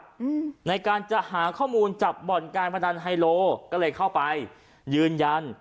อืมในการจะหาข้อมูลจับบ่อนการพนันไฮโลก็เลยเข้าไปยืนยัน